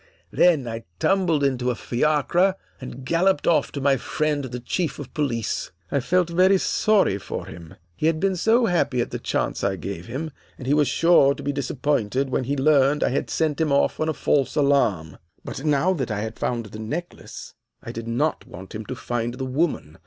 Then I tumbled into a fiacre and galloped off to my friend the Chief of Police. I felt very sorry for him. He had been so happy at the chance I gave him, and he was sure to be disappointed when he learned I had sent him off on a false alarm. "But now that I had found the necklace, I did not want him to find the woman.